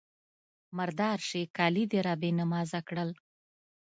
_مرداره شې! کالي دې را بې نمازه کړل.